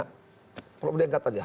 kalau mudah yang kata